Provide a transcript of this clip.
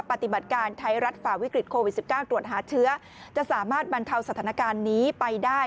ปฏิบัติการไทยรัฐฝ่าวิกฤตโควิด๑๙ตรวจหาเชื้อจะสามารถบรรเทาสถานการณ์นี้ไปได้